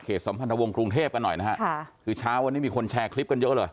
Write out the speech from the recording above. สัมพันธวงศ์กรุงเทพกันหน่อยนะฮะค่ะคือเช้าวันนี้มีคนแชร์คลิปกันเยอะเลย